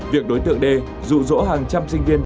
việc đối tượng đê rụ rỗ hàng trăm sinh viên